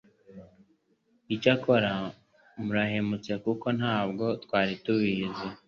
ICYAKORA MURAHEMUTSE kuko ntabwo twari tubizi